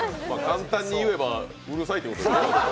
簡単に言えばうるさいってことですね。